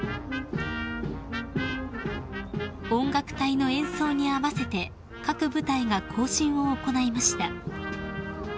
［音楽隊の演奏に合わせて各部隊が行進を行いました］